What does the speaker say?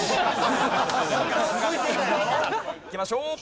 いきましょう！